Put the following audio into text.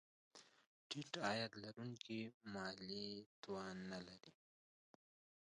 ټیټ عاید لرونکي مالي توان نه لري.